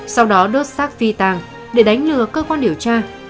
sau đó đốt xác phi tàng để đánh lừa cơ quan điều tra